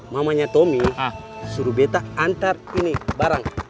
mamanya tommy suruh beta antar ini barang